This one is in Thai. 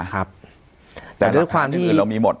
แต่หลักฐานอื่นอื่นเรามีหมด